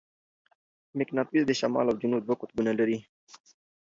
مقناطیس د شمال او جنوب دوه قطبونه لري.